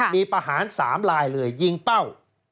มีประหาร๓ลายเลยยิงเป้า